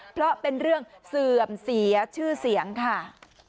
เพราะเป็นเรื่องเสื่อมเสียชื่อเสียงค่ะ